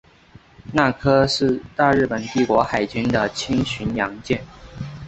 那珂是大日本帝国海军的轻巡洋舰。